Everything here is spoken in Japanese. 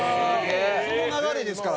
その流れですから。